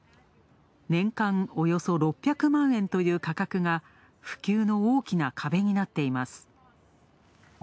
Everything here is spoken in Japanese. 年間およそ６００万円という価格が普及の大きな壁になっています。